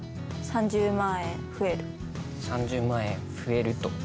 ３０万円増えると。